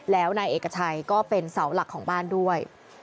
แล้วนายเอกชัยก็เป็นเสาหลักของบ้านด้วย